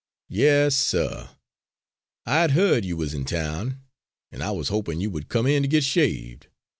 "Yes, suh; I had heard you wuz in town, an' I wuz hopin' you would come in to get shaved.